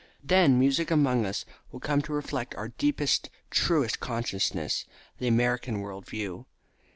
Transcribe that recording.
Then music among us will come to reflect our deepest, truest consciousness, the American world view.